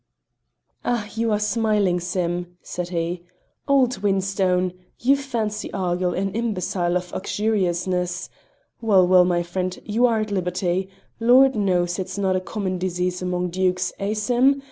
"Ah! you are smiling, Sim!" said he. "Old whinstone! You fancy Argyll an imbecile of uxoriousness. Well, well, my friend, you are at liberty; Lord knows, it's not a common disease among dukes! Eh, Sim?